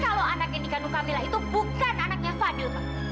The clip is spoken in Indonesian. kalau anak yang dikandung camilla itu bukan anaknya fadil